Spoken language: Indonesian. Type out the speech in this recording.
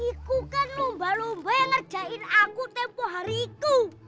itu kan lumba lumba yang ngerjain aku tempoh hari itu